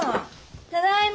ただいま！